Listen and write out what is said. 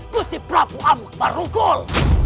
gusti prabu amuk marukul